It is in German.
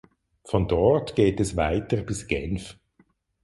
Von dort geht es weiter bis Genf.